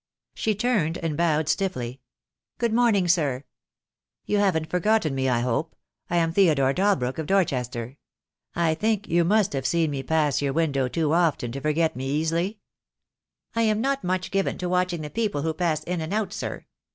She turned and bowed stiffly. "Good morning, sir." "You haven't forgotten me, I hope. I am Theodore Dalbrook, of Dorchester. I think you must have seen me pass your window too often to forget me easily?" THE DAY WILL COME. 307 "I am not much given to watching the people who pass in and out, sir.